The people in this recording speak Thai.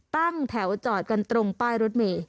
ตั้งแถวจอดกันตรงป้ายรถเมย์